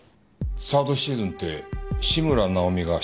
サードシーズンって志村尚美が社長のか？